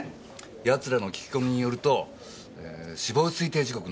奴らの聞き込みによると死亡推定時刻の３時から４時。